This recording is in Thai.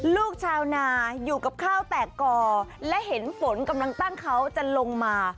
ลูกชาวนาอยู่กับข้าวแตกก่อและเห็นฝนกำลังตั้งเขาจะลงมา